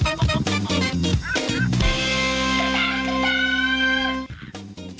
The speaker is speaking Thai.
โปรดติดตามตอนต่อไป